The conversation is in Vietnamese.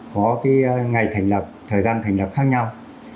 có cái ngày thành lập thời gian thành lập khác nhau